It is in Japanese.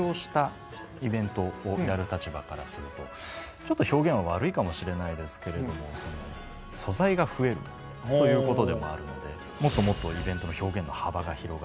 ちょっと表現は悪いかもしれないですけれども素材が増えるということでもあるのでもっともっとイベントの表現の幅が広がる。